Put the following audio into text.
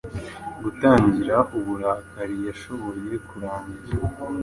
gutangira-uburakari yashoboye kurangiza